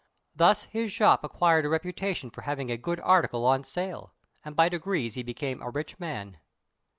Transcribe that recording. Thus his shop acquired a reputation for having a good article on sale, and by degrees he became a rich man.